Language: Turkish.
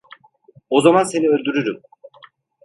O zaman seni öldürürüm…